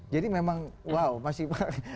jadi memang wow masih